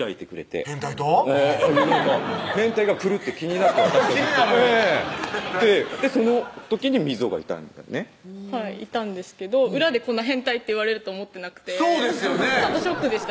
ええ変態と変態が来るって気になって気になるその時に瑞穂がいたんだよねはいいたんですけど裏でこんな「変態」って言われると思ってなくてそうですよねちょっとショックでした